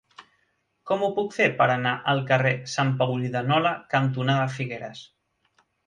Com ho puc fer per anar al carrer Sant Paulí de Nola cantonada Figueres?